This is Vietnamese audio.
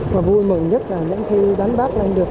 và vui mừng nhất là những khi đánh bắt lên được